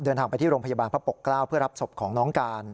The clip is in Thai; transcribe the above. เดินทางไปที่โรงพยาบาลพระปกเกล้าเพื่อรับศพของน้องการ